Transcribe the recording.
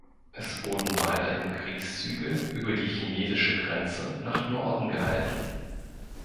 Es wurden weiterhin Kriegszüge über die chinesische Grenze nach Norden gehalten.